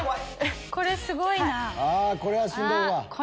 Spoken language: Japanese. これすごいなぁ。